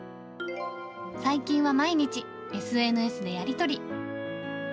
最近は毎日ＳＮＳでやり取り。